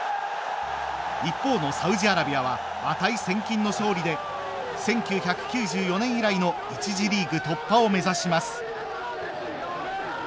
一方のサウジアラビアは値千金の勝利で１９９４年以来の１次リーグ突破を目指します。